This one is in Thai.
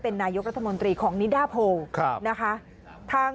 เป็นนายกรัฐมนตรีของนิด้าโพล